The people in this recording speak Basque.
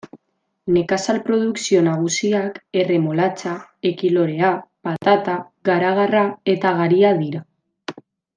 Nekazal produkzio nagusiak erremolatxa, ekilorea, patata, garagarra eta garia dira.